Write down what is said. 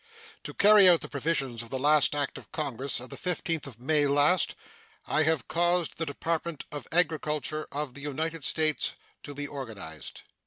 To carry out the provisions of the act of Congress of the 15th of May last, I have caused the Department of Agriculture of the United States to be organized.